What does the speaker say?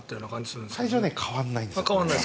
体重は変わらないんですね。